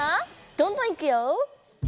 どんどんいくよ。